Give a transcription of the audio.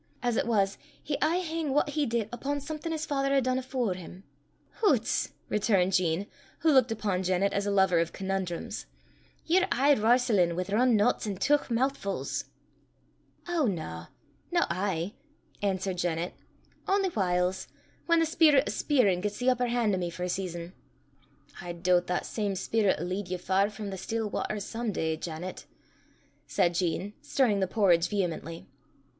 As it was, he aye hang what he did upo' something his Father had dune afore him." "Hoots!" returned Jean, who looked upon Janet as a lover of conundrums, "ye're aye warstlin' wi' run k nots an' teuch moo'fu's." "Ow na, no aye," answered Janet; " only whiles, whan the speerit o' speirin' gets the upper han' o' me for a sizon." "I doobt that same speerit 'll lead ye far frae the still watters some day, Janet," said Jean, stirring the porridge vehemently.